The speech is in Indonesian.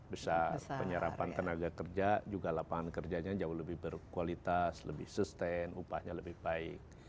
besar penyerapan tenaga kerja juga lapangan kerjanya jauh lebih berkualitas lebih sustain upahnya lebih baik